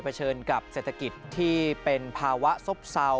เชิญกับเศรษฐกิจที่เป็นภาวะซบเศร้า